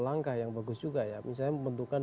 langkah yang bagus juga ya misalnya membentukan